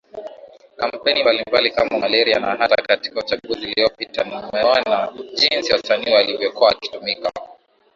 kampeni mbalimbali kama Maleria na hata katika uchaguzi uliopita mmeona jinsi wasanii walivyokuwa wakitumika